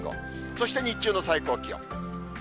そして日中の最高気温。